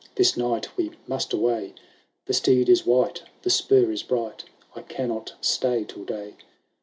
This night we must away ; The steed is wight, the spur is bright ; I cannot stay till day.